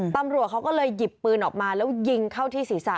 ตำรวจเขาก็เลยหยิบปืนออกมาแล้วยิงเข้าที่ศีรษะ